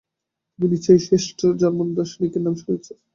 তুমি নিশ্চয়ই এই শ্রেষ্ঠ জার্মান দার্শনিকের নাম শুনেছ।